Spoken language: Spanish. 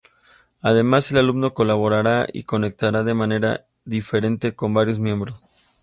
Además, el alumno colaborará y se conectará de manera diferente con varios miembros.